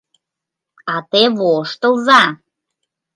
— А те воштылза!